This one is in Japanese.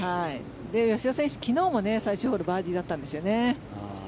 吉田選手、昨日も最終ホールバーディーだったんですよね。